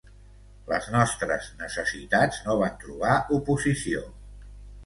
Les nostres necessitats no van trobar oposició.